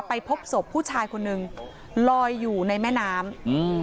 พบศพผู้ชายคนนึงลอยอยู่ในแม่น้ำอืม